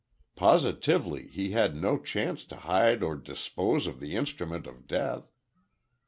Positively he had no chance to hide or dispose of the instrument of death."